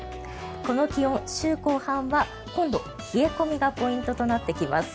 この気温、週後半は今度冷え込みがポイントとなってきます。